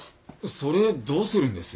それどうするんです？